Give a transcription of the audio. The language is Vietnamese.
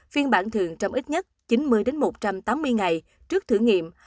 phiên bản thường trong ít nhất chín mươi một trăm tám mươi ngày trước thử nghiệm